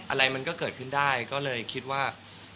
อะไรมันก็เกิดขึ้นได้ก็เลยคิดว่า